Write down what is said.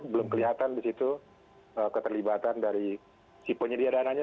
belum kelihatan di situ keterlibatan dari si penyedia dananya